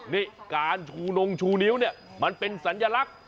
นี่การชูนงชูนิ้วเนี่ยมันเป็นสัญลักษณ์